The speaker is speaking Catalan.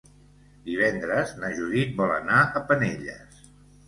Divendres na Judit vol anar a Penelles.